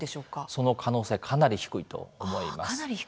その可能性はかなり低いと思います。